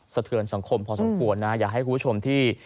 เทือนสังคมพอสมควรนะอยากให้คุณผู้ชมที่